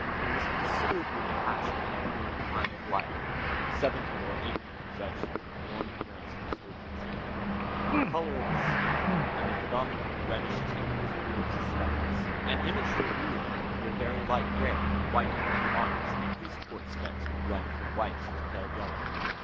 He was considerably past the Ulleran prime of life seventy or eighty, to judge from the worn appearance of his opal teeth, the color of his skin, and the predominantly reddish tint of his quartz speckles. An immature Ulleran would be a very light gray, white under the arms, and his quartz specks would run from white to pale yellow.